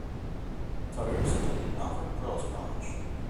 Tilberis attended Malvern Girls College.